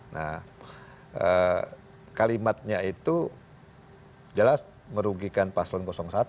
nah kalimatnya itu jelas merugikan paslon satu